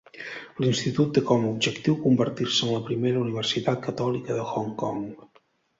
L'institut té com a objectiu convertir-se en la primera universitat catòlica de Hong Kong.